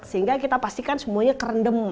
sehingga kita pastikan semuanya kerendem